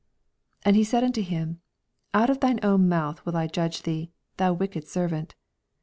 22 And he saith unto him. Out of thine own mouth will "I judffc thee, thou wicked servant.